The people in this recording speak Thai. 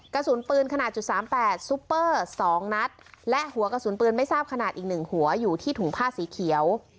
กระสุนปืนขนาดจุดสามแปดซุปเปอร์๒นัดและหัวกระสุนปืนไม่ทราบขนาดอีก๑หัวอยู่ที่ถุงผ้าสีเขียว